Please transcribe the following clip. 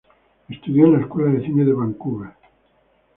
Estudió en la Escuela de Cine de Vancouver.